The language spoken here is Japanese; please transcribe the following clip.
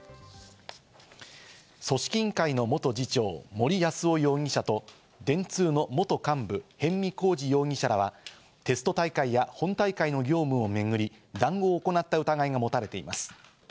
組織委員会の元次長・森泰夫容疑者と電通の元幹部・逸見晃治容疑者らは、テスト大会や本大会の業務をめぐり、談合を行った疑いが持たれています。